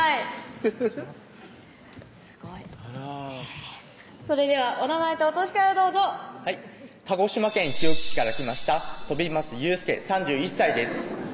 フフフッすごいあらそれではお名前とお歳からどうぞはい鹿児島県日置市から来ました飛松佑輔３１歳です